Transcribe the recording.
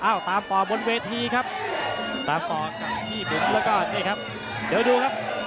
ตามต่อบนเวทีครับตามต่อกับพี่บุ๋มแล้วก็นี่ครับเดี๋ยวดูครับ